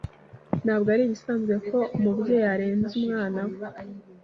Ntabwo ari ibisanzwe ko umubyeyi arenza umwana we.